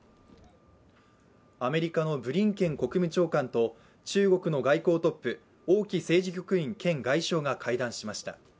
アメリカのブリンケン国務長官と中国の外交トップ、王毅政治局員兼外相が会談しました。